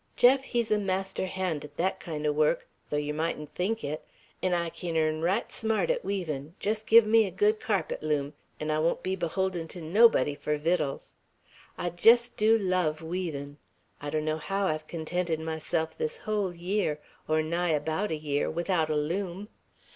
Jeff, he's a master hand to thet kind o' work, though yer mightn't think it; 'n I kin airn right smart at weavin'; jest give me a good carpet loom, 'n I won't be beholden to nobody for vittles. I jest du love weavin'. I donno how I've contented myself this hull year, or nigh about a year, without a loom.